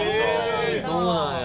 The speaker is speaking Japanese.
そうなんだ。